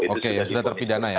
oke ya sudah terpidana ya